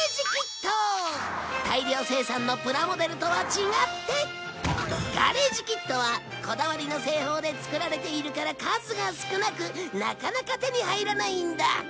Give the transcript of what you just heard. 「大量生産のプラモデルとは違ってガレージキットはこだわりの製法で作られているから数が少なくなかなか手に入らないんだ」